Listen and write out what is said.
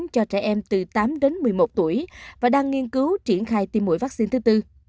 cho trẻ em từ tám đến một mươi một tuổi và đang nghiên cứu triển khai tiêm mũi vaccine thứ tư